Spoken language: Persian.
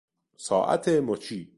ساعت مچی